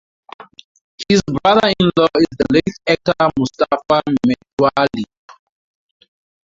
His brother-in-law is the late actor Mustafa Metwalli.